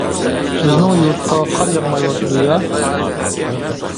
بىزنىڭ يۇرتقا قار ياغمايۋاتىدۇ يا؟ !